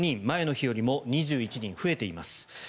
前の日よりも２１人増えています。